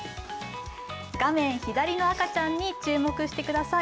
画面左の赤ちゃんに注目してください。